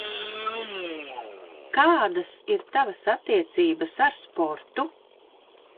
Kādas ir Tavas attiecības ar sportu?